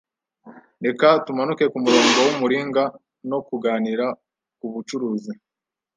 Reka tumanuke kumurongo wumuringa no kuganira kubucuruzi.